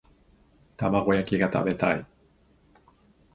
玉子焼きが食べたい